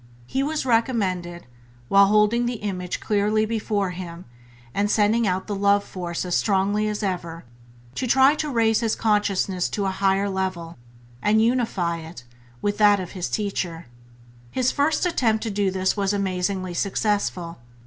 He was recommended, while holding the image clearly before him, and sending out the love force as strongly as ever, to try to raise his consciousness to a higher level and unify it with that of his teacher. His first attempt to do this was amazingly successful.